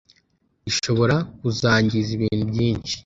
ishobora kuzangiza ibintu byinshi